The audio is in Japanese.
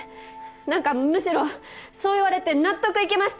なんかむしろそう言われて納得いきました。